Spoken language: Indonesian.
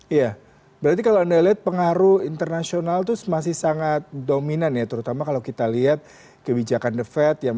iya berarti kalau anda lihat pengaruh internasional itu masih sangat dominan ya terutama kalau kita lihat kebijakan the fed